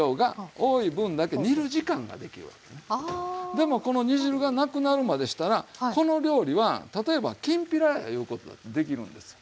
でもこの煮汁がなくなるまでしたらこの料理は例えばきんぴらやいうことだってできるんです。